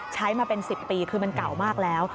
ใช้มาเป็น๑๐ปีคือมันเก่ามากแล้ว